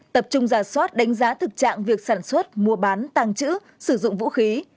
tập trung giả soát đánh giá thực trạng việc sản xuất mua bán tàng trữ sử dụng vũ khí